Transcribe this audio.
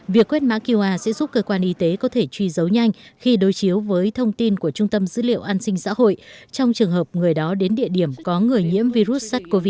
việc quét mã qr sẽ giúp cơ quan y tế có thể truy dấu nhanh khi đối chiếu với thông tin của trung tâm dữ liệu an sinh xã hội trong trường hợp người đó đến địa điểm có người nhiễm virus sars cov hai